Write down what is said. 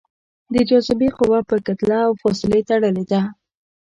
د جاذبې قوه په کتله او فاصلې تړلې ده.